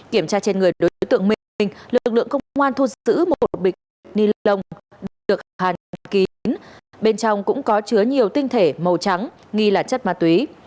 kiểm tra trên người đối tượng minh lực lượng công an thu giữ một bịch ni lông được hàn kín bên trong cũng có chứa nhiều tinh thể màu trắng nghi là chất ma túy